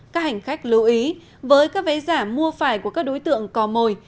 các hành khách lưu ý với các vé giả mua phải của các đối tượng cò mồi